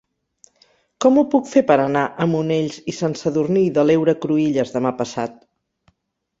Com ho puc fer per anar a Monells i Sant Sadurní de l'Heura Cruïlles demà passat?